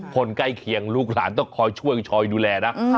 ใกล้เคียงลูกหลานต้องคอยช่วยคอยดูแลนะ